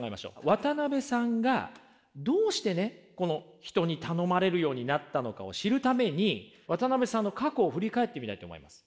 渡辺さんがどうしてね人に頼まれるようになったのかを知るために渡辺さんの過去を振り返ってみたいと思います。